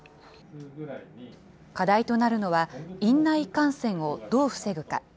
課題となるのは、院内感染をどう防ぐか。